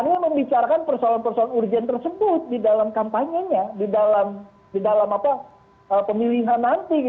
nah ini membicarakan persoalan persoalan urgen tersebut di dalam kampanyenya di dalam pemilihan nanti